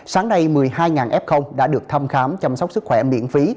sáng nay một mươi hai f đã được thăm khám chăm sóc sức khỏe miễn phí